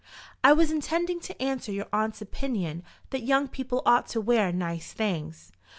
"I was intending to answer your aunt's opinion that young people ought to wear nice things.